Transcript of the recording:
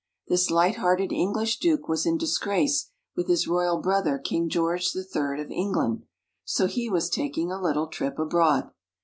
This light hearted English Duke was in disgrace with his royal brother King George the Third of England; so he was taking a little trip abroad.